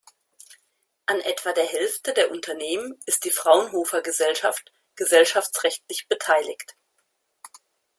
An etwa der Hälfte der Unternehmen ist die Fraunhofer-Gesellschaft gesellschaftsrechtlich beteiligt.